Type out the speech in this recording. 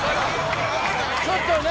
・ちょっとね